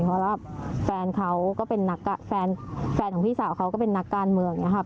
เพราะว่าแฟนเขาก็เป็นนักแฟนของพี่สาวเขาก็เป็นนักการเมืองอย่างนี้ครับ